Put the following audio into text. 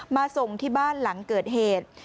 ส่งที่บ้านหลังเกิดเหตุ